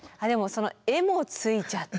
絵もついちゃって。